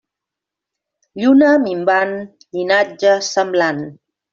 Lluna minvant, llinatge semblant.